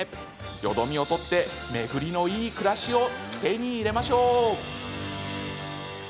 よどみを取って、巡りのいい暮らしを手に入れましょう。